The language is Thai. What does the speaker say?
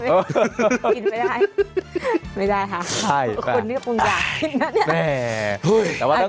กินไม่ได้ไม่ได้ค่ะคนที่คงอยากกินนะเนี่ย